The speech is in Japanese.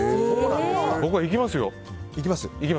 僕は行きますよ。